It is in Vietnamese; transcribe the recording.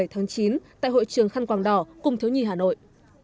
tại hội trường khăn quảng đỏ cùng thiếu nhi hà nội